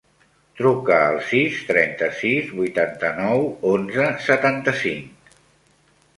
Truca al sis, trenta-sis, vuitanta-nou, onze, setanta-cinc.